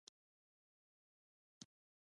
د معاشونو ورکړه د بانک له لارې ده